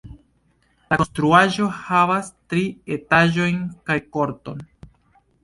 La konstruaĵo havas tri etaĝojn kaj korton.